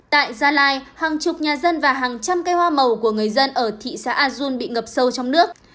tại gia lai hàng chục nhà dân và hàng trăm cây hoa màu của người dân ở thị xã azun bị ngập sâu trong nước